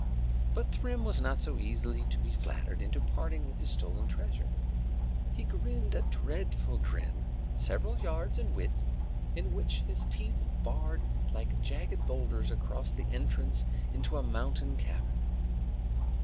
But Thrym was not so easily to be flattered into parting with his stolen treasure. He grinned a dreadful grin, several yards in width, which his teeth barred like jagged boulders across the entrance to a mountain cavern.